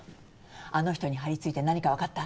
あの人に張り付いて何かわかった？